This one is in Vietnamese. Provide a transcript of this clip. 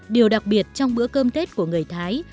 điều đặc biệt trong bữa cơm tết của người thái